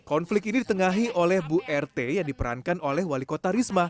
konflik ini ditengahi oleh bu rt yang diperankan oleh wali kota risma